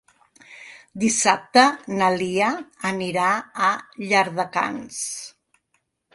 Dissabte na Lia anirà a Llardecans.